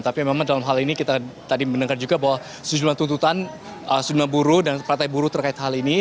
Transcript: tapi memang dalam hal ini kita tadi mendengar juga bahwa sejumlah tuntutan sejumlah buruh dan partai buruh terkait hal ini